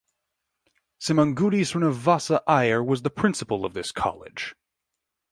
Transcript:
Semmangudi Srinivasa Iyer was the principal of this college.